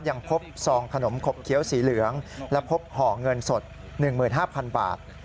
ยังพบซองขนมขบเคี้ยวสีเหลืองและพบห่อเงินสด๑๕๐๐๐บาท